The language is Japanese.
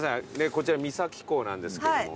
こちら三崎港なんですけども。